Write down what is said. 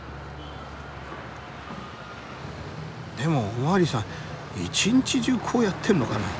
でもお巡りさん一日中こうやってるのかな。